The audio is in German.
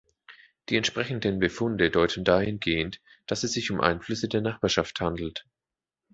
Die entsprechenden Befunde deuten dahingehend, dass es sich um Einflüsse der Nachbarschaft handelt.